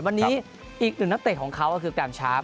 วันนี้อีกหนึ่งนักเตะของเขาก็คือแกรมชาร์